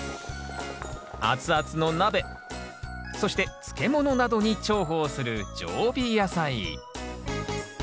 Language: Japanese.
熱々の鍋そして漬物などに重宝する常備野菜。